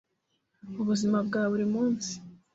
ubuzima bwa buri munsi